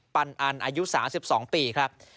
ปันอันอายุ๓๒ปีครับ